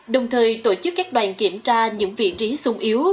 đồng thời tổ chức các đoàn kiểm tra những vị trí sung yếu